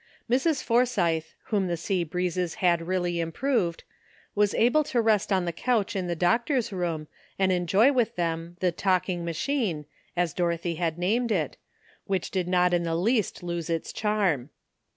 Mrs. Forsythe, whom the sea breezes had really improved, was able to rest on the couch in the doctor's room and en joy with them the ''talking machine," as Doro thy had named it, which did not in the least lose its charm.